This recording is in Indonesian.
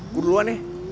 gue duluan ya